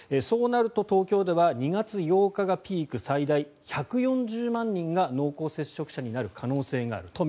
そうなると東京では２月８日がピーク最大１４０万人が濃厚接触者になる可能性がある。